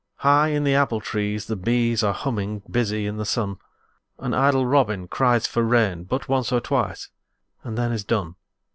High in the apple trees the bees Are humming, busy in the sun, An idle robin cries for rain But once or twice and then is done.